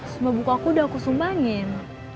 semua buka aku udah aku sumbangin